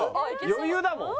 余裕だもん。